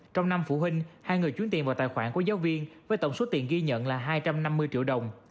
trong năm phụ huynh hai người chuyển tiền vào tài khoản của giáo viên với tổng số tiền ghi nhận là hai trăm năm mươi triệu đồng